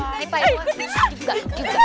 pak iwan ikut tangan tangan